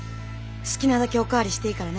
好きなだけお代わりしていいからね。